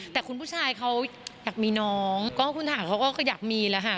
แต่คุณผู้ชายเขาอยากมีน้องก็คุณฐานเขาก็อยากมีแล้วค่ะ